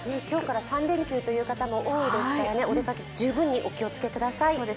今日から３連休という方も多いですからお出かけ十分、お気をつけください。